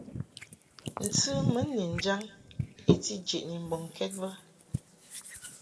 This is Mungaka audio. Ntɨ mun ni njaŋ i ti jeʼni mbɔŋkɛd bə.